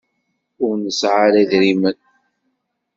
Ur nesɛa ara idrimen.